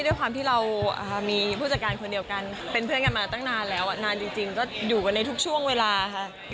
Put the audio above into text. ด้วยความที่เรามีผู้จัดการคนเดียวกันเป็นเพื่อนกันมาตั้งนานแล้วนานจริงก็อยู่กันในทุกช่วงเวลาค่ะ